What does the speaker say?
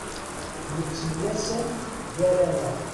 Nettemyasam gar-aneɣ.